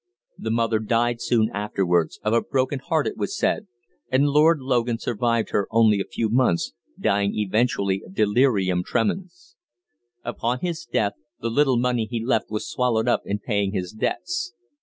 The mother died soon afterwards of a broken heart it was said and Lord Logan survived her only a few months, dying eventually of delirium tremens. Upon his death the little money he left was swallowed up in paying his debts.